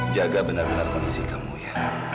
jaga benar benar kondisi kamu ya